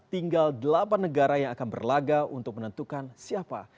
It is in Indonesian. tinggal delapan negara yang akan berlaga untuk menentukan siapa